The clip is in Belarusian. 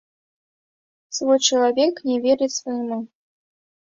Свой чалавек не верыць свайму.